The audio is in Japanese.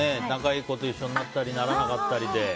仲いい子と一緒になったりならなかったりで。